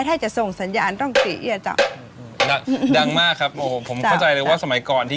ถ้าจะส่งสัญญาณต้องซีเอี้ยต่อดังมากครับโอ้โหผมเข้าใจเลยว่าสมัยก่อนที่